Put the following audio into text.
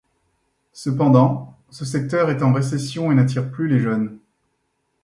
Cependant, ce secteur est en récession, et n'attire plus les jeunes.